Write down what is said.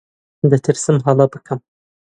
دەترسم هەڵە بکەم.